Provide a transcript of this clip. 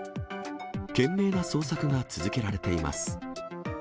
懸命な捜索が続けられています。